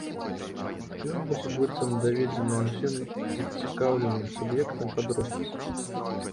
Ён мусіць быць даведзены ўсім зацікаўленым суб'ектам пад роспіс.